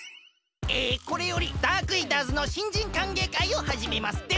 えこれよりダークイーターズの新人歓迎会をはじめます。